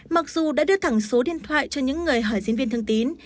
mặc dù đã đưa thẳng số điện thoại cho những người hỏi diễn viên thương tín